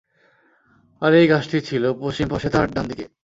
আর এই গাছটি ছিল পশ্চিম পার্শ্বে তাঁর ডানদিকে।